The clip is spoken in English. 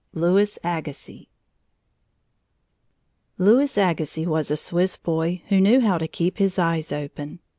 LOUIS AGASSIZ Louis Agassiz was a Swiss boy who knew how to keep his eyes open.